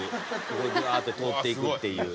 ここをブアーッて通っていくっていう。